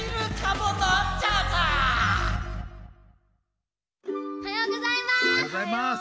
おはようございます。